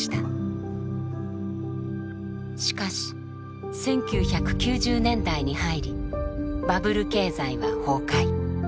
しかし１９９０年代に入りバブル経済は崩壊。